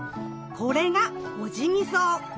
これがオジギソウ。